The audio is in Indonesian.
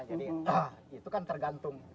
jadi itu kan tergantung